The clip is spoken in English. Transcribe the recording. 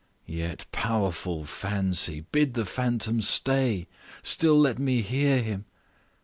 "Yet, powerful Fancy, bid the phantom stay, Still let me hear him!